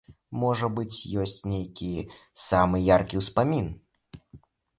Можа быць, ёсць нейкі самы яркі успамін?